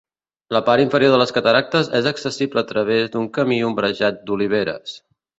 La part inferior de les cataractes és accessible a través d'un camí ombrejat d'oliveres.